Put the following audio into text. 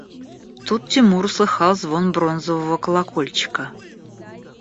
Тут Тимур услыхал звон бронзового колокольчика.